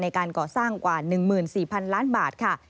ในการก่อสร้างกว่า๑๔๐๐๐ล้านบาทค่ะ